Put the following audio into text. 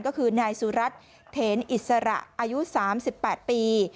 ก็คือนายสุรัตน์เถนอิสระอายุ๓๘ปี